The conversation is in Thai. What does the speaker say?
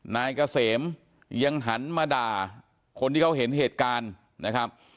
นายเกษมยังหันมาด่าคนที่เขาเห็นเหตุการณ์นะครับ